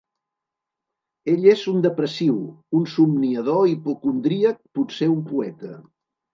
Ell és un depressiu, un somniador hipocondríac, potser un poeta.